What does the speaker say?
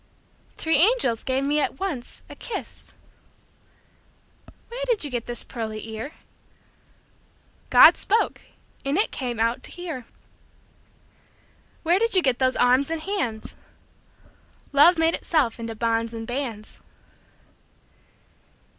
Three angels gave me at once a kiss. Where did you get this pearly ear? God spoke, and it came out to hear. Where did you get those arms and hands? Love made itself into bonds and bands.